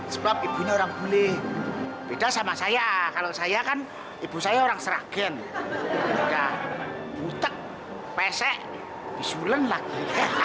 sebab ibunya orang bule beda sama saya kalau saya kan ibu saya orang seragin beda buteg pesek bisulen lagi